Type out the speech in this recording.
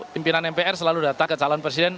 pimpinan mpr selalu datang ke calon presiden